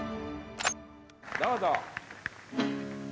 どうぞ。